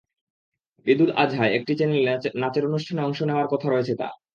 ঈদুল আজহায় একটি চ্যানেলে নাচের অনুষ্ঠানে অংশ নেওয়ার কথা রয়েছে তাঁর।